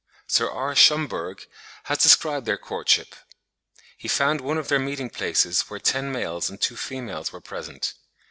Sir R. Schomburgk has described their courtship; he found one of their meeting places where ten males and two females were present.